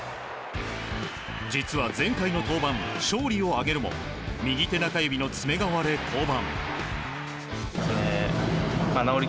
実は前回の登板、勝利を挙げるも右手中指の爪が割れ降板。